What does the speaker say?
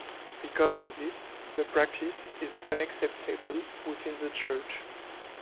Because of this, the practice is unacceptable within the Church.